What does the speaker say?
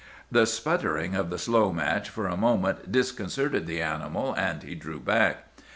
"The sputtering of the slow match for a moment disconcerted the animal, and he drew back.